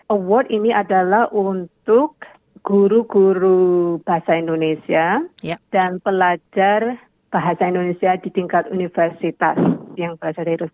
award ini adalah untuk guru guru bahasa indonesia dan pelajar bahasa indonesia di tingkat universitas yang berasal dari rusia